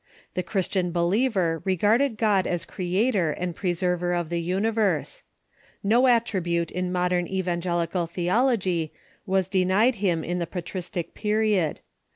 The ?Tu" w Christian believer regarded God as Creator and Pre 0* Christ . VT server of the universe, rso attribute in modern evan gelical theology was denied him in the patristic period.